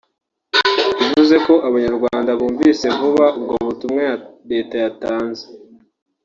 bivuze ko Abanyarwanda bumvise vuba ubwo butumwa Leta yatanze